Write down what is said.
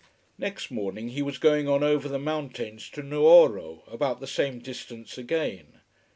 Next morning he was going on over the mountains to Nuoro about the same distance again.